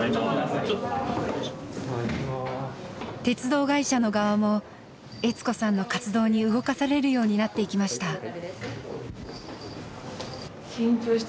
鉄道会社の側も悦子さんの活動に動かされるようになっていきました。